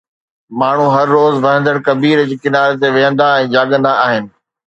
ماڻهو هر روز وهندڙ ڪبير جي ڪناري تي ويهندا ۽ جاڳندا آهن.